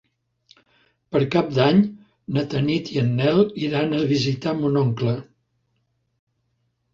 Per Cap d'Any na Tanit i en Nel iran a visitar mon oncle.